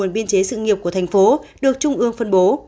biên chế sự nghiệp của thành phố được trung ương phân bố